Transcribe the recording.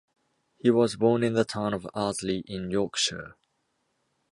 He was born in the town of Ardsley in Yorkshire.